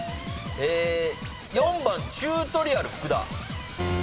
４番チュートリアル福田。